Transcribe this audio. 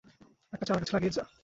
একটা চারাগাছ লাগিয়ে যা।